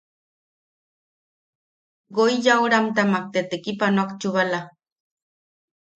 Yoi yaʼuratamak ne tekipanoak chubala.